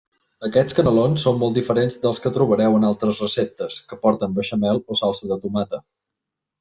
Aquests canelons són molt diferents dels que trobareu en altres receptes, que porten beixamel o salsa de tomata.